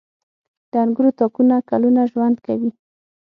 • د انګورو تاکونه کلونه ژوند کوي.